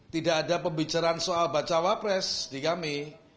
tidak ada pembicaraan soal bacawapres di kami